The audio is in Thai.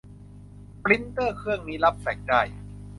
ปรินเตอร์เครื่องนี้รับแฟกซ์ได้